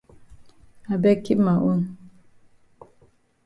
I beg keep ma own.